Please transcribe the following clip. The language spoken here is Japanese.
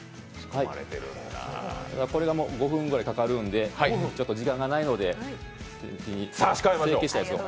これが５分ぐらいかかるんで時間がないので、成形したものを。